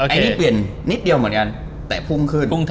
อันนี้เปลี่ยนนิดเดียวเหมือนกันแต่พุ่งขึ้น